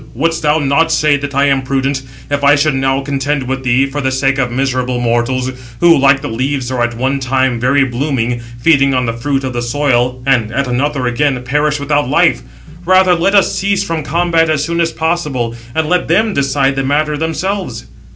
But him the far darting king, Apollo, in turn addressed: "O Neptune, thou wouldst not say that I am prudent, if I should now contend with thee, for the sake of miserable mortals, who, like the leaves, are at one time very blooming, feeding on the fruit of the soil and at another again, perish without life. Rather let us cease from combat as soon as possible; and let them decide the matter themselves."